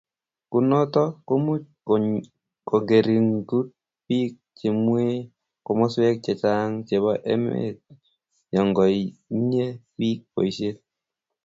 kunoto komuch kongeringitu biik chemwee komoswek cheechen chebo emet ngoyotyi biik boishet